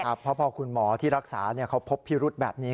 เพราะพอคุณหมอที่รักษาเขาพบพิรุธแบบนี้